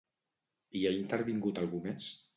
Hi ha intervingut algú més?